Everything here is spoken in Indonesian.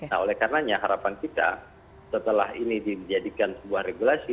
nah oleh karenanya harapan kita setelah ini dijadikan sebuah regulasi